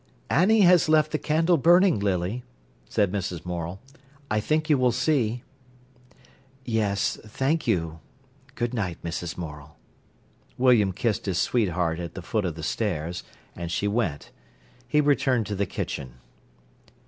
"Annie has left the candle burning, Lily," said Mrs. Morel; "I think you will see." "Yes, thank you. Good night, Mrs. Morel." William kissed his sweetheart at the foot of the stairs, and she went. He returned to the kitchen.